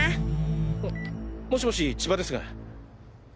あもしもし千葉ですが。